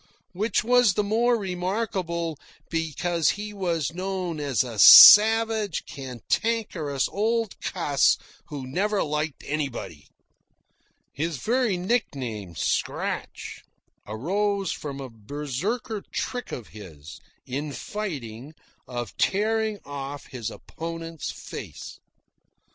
Which was the more remarkable, because he was known as a savage, cantankerous old cuss who never liked anybody. (His very nickname, "Scratch," arose from a Berserker trick of his, in fighting, of tearing off his opponent's face.)